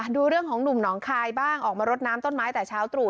ดูเรื่องของหนุ่มหนองคายบ้างออกมารดน้ำต้นไม้แต่เช้าตรู่